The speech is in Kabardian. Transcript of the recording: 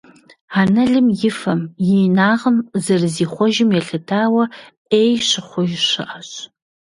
Анэлым и фэм, и инагъым зэрызихъуэжым елъытауэ, «Ӏей» щыхъуж щыӀэщ.